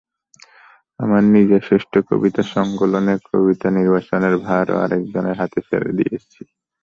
আমার নিজের শ্রেষ্ঠ কবিতার সংকলনের কবিতা নির্বাচনের ভারও আরেকজনের হাতে ছেড়ে দিয়েছি।